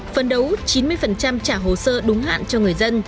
phân đấu chín mươi trả hồ sơ đúng hạn cho người dân